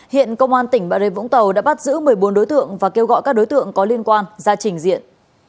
hiện công an tỉnh bà rê vũng tàu đã bắt giữ một mươi bốn đối tượng và kêu gọi các đối tượng có liên quan ra trình diện